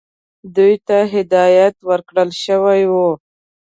دوی ته هدایت ورکړل شوی وو.